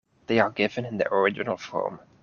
They are given in their original form.